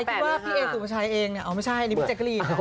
ถึงว่าพี่เอ๋สุประชัยเองอ้าวไม่ใช่นี่เป็นเจ็กกะรี